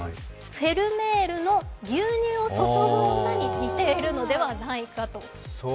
フェルメールの「牛乳を注ぐ女」に似ているのではないかと。